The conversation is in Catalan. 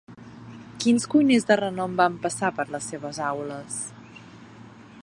Quins cuiners de renom van passar per les seves aules?